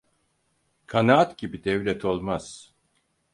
Kanaat gibi devlet olmaz.